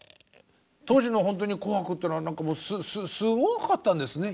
当時のほんとに「紅白」っていうのはすごかったんですね。